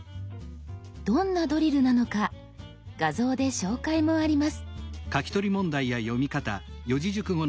どんなドリルなのか画像で紹介もあります。